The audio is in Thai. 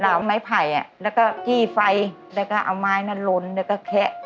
เราไหมไผ่อะแล้วก็กี่ไฟเดล้าก็เอามายนะรนแล้วก็แคะ